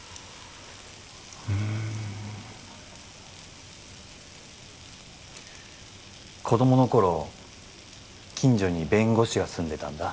うん子供の頃近所に弁護士が住んでたんだ